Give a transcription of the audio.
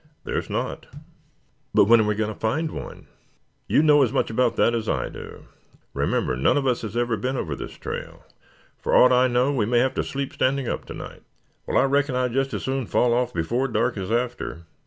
"There is not." "But when are we going to find one?" "You know as much about that as I do. Remember none of us ever has been over this trail. For aught I know we may have to sleep standing up to night." "Well, I reckon I'd just as soon fall off before dark as after.